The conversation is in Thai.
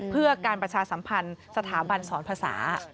เพื่อการประชาสัมพันธ์สถาบันสอนภาษา